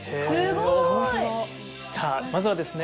さあまずはですね